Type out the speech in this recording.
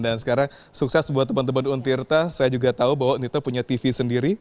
dan sekarang sukses buat teman teman untirta saya juga tahu bahwa untirta punya tv sendiri